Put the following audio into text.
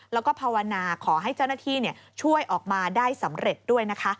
แล้วก็ภาวนาขอให้เจ้าหน้าที่ช่วยออกมาได้สำเร็จด้วยนะคะ